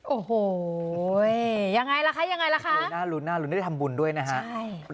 โอ้โหยยังไงละคะยังไงล่ะคะน่ารุ้นได้ทำบุญด้วยนะครับ